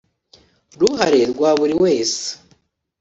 ruhare rwa buri wese